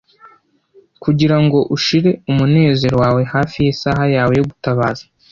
kugirango ushire umunezero wawe hafi yisaha yawe yo gutabaza